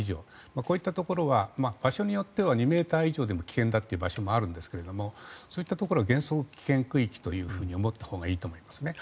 こういったところは場所によっては２ｍ以上でも危険だというところはあるんですがそういったところは原則、危険区域というふうに思ったほうがいいと思いますね。